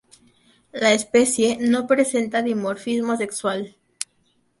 La especie no presenta dimorfismo sexual.